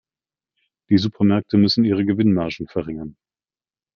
Die Supermärkte müssen ihre Gewinnmargen verringern.